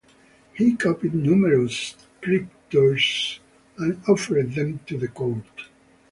He copied numerous scriptures and offered them to the court.